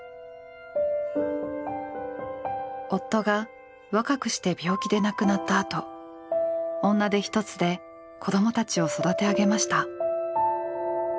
夫が若くして病気で亡くなったあと女手一つで子供たちを育て上げました。